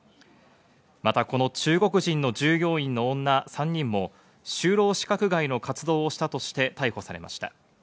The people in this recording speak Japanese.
またこの中国人の従業員の女３人も就労資格外の活動をしたとして逮捕されました。